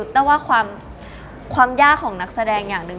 แต่ว่าความยากของนักแสดงอย่างหนึ่ง